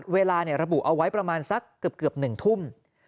เวลาระบุเอาไว้ประมาณสักเกือบ๑ทุ่ม